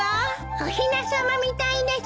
おひなさまみたいです。